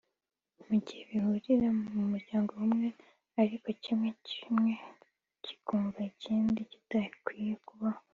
mu gihe bihurira mu muryango umwe ariko kimwe kimwe kikumva ikindi kidakwiye kuhaba